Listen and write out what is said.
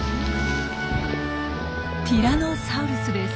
ティラノサウルスです。